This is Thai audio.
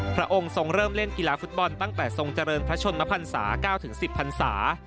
พระองค์ทรงเริ่มเล่นกีฬาฟุตบอลตั้งแต่ทรงเจริญพระชนมพันศา๙๑๐พันศา